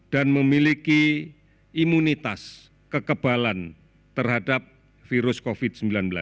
memiliki imunitas kekebalan terhadap virus covid sembilan belas